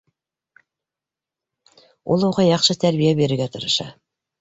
Ул уға яҡшы тәрбиә бирергә тырыша.